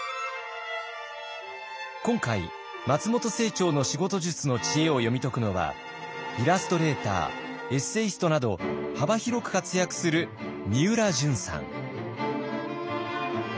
今回松本清張の仕事術の知恵を読み解くのはイラストレーターエッセイストなど幅広く活躍するみうらじゅんさん。